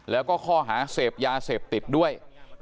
แล้วก็ข้อหาเสพยาเสพติดด้วย